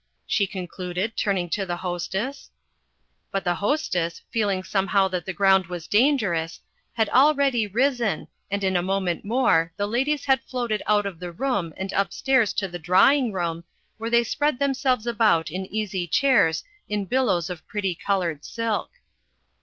she concluded, turning to the Hostess. But the Hostess, feeling somehow that the ground was dangerous, had already risen, and in a moment more the ladies had floated out of the room and upstairs to the drawing room, where they spread themselves about in easy chairs in billows of pretty coloured silk.